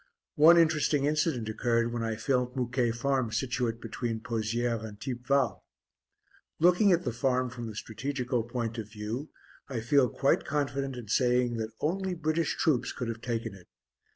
One interesting incident occurred when I filmed Mouquet Farm situate between Pozières and Thiepval. Looking at the Farm from the strategical point of view, I feel quite confident in saying that only British troops could have taken it.